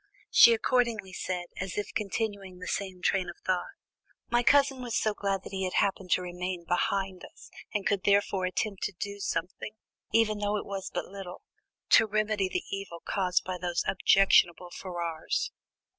She accordingly said, as if continuing the same train of thought: "My cousin was so glad that he had happened to remain behind us, and could therefore attempt to do something, even though it was but little, to remedy the evil caused by those objectionable Ferrars."